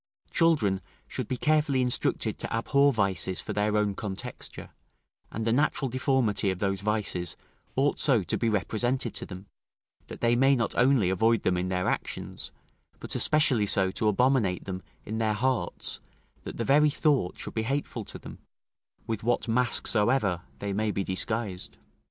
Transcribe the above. Children should carefully be instructed to abhor vices for their own contexture; and the natural deformity of those vices ought so to be represented to them, that they may not only avoid them in their actions, but especially so to abominate them in their hearts, that the very thought should be hateful to them, with what mask soever they may be disguised.